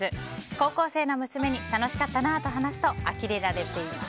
高校生の娘に楽しかったなと話すとあきれられています。